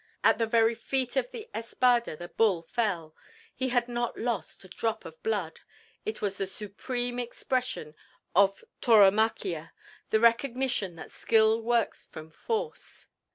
At the very feet of the espada the bull fell; he had not lost a drop of blood; it was the supreme expression of tauromaquia, the recognition that skill works from force.